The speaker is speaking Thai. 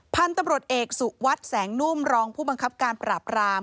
พันธุ์ตำรวจเอกสุวัสดิ์แสงนุ่มรองผู้บังคับการปราบราม